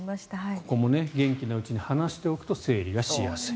ここも元気なうちに話しておくと、整理がしやすい。